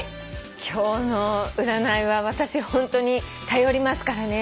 今日の占いは私ホントに頼りますからね。